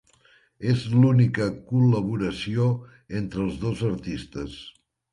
És l'única col·laboració entre els dos artistes.